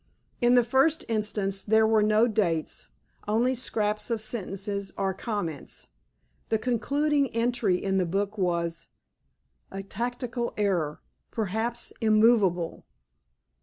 In the first instance, there were no dates—only scraps of sentences, or comments. The concluding entry in the book was: _"A tactical error? Perhaps. Immovable."